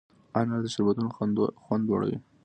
انار د شربتونو خوند لوړوي.